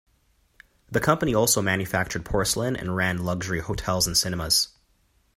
The company also manufactured porcelain and ran luxury hotels and cinemas.